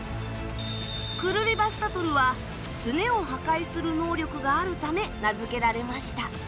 クルリヴァスタトルはスネを破壊する能力があるため名付けられました。